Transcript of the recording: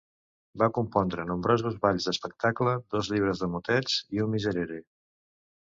Va compondre nombrosos balls d'espectacle, dos llibres de motets i un miserere.